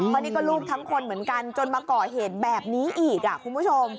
เพราะนี่ก็ลูกทั้งคนเหมือนกันจนมาก่อเหตุแบบนี้อีกคุณผู้ชม